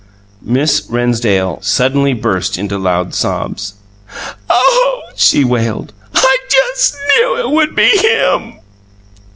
Miss Rennsdale suddenly burst into loud sobs. "Oh!" she wailed. "I just knew it would be him!"